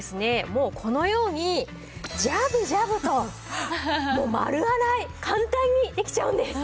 もうこのようにジャブジャブともう丸洗い簡単にできちゃうんです。